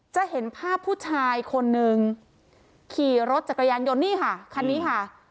จะเห็นภาพผู้ชายคนนึงขี่รถจักรยานยนต์นี่ค่ะคันนี้ค่ะ